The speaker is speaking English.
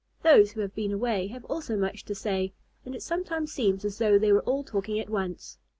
Those who have been away have also much to say, and it sometimes seems as though they were all talking at once.